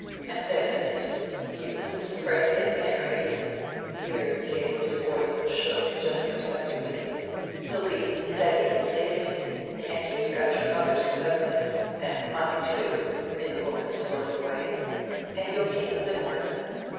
And then, if you and Fred get married," here Caleb's voice shook just perceptibly, "he'll be steady and saving; and you've got your mother's cleverness, and mine too, in a woman's sort of way; and you'll keep him in order.